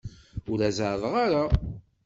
Ur la zeɛɛḍeɣ ara.